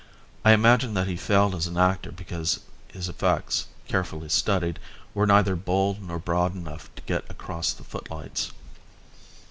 I imagine that he failed as an actor because his effects, carefully studied, were neither bold nor broad enough to get across the footlights.